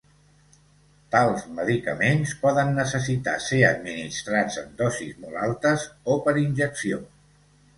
Tals medicaments poden necessitar ser administrats en dosis molt altes o per injecció.